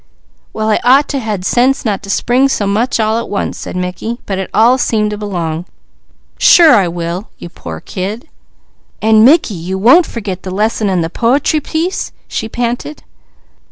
"Well I ought to had the sense not to spring so much all at once," said Mickey, "but it all seemed to belong. Sure I will, you poor kid!" "And Mickey, you won't forget the lesson and the po'try piece?" she panted.